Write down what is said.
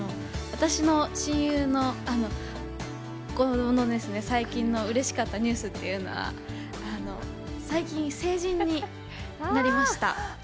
私の親友の子の最近のうれしかったニュースっていうのは、最近、成人になりました。